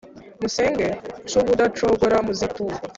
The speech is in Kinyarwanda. musenge c ubudacogora muziturwa